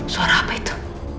suara apa itu